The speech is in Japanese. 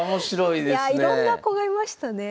いろんな子がいましたね。